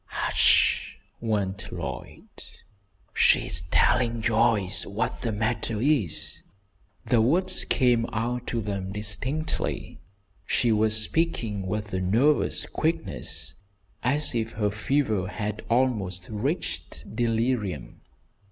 "Hush!" warned Lloyd. "She's telling Joyce what the matter is." The words came out to them distinctly. She was speaking with a nervous quickness as if her fever had almost reached delirium.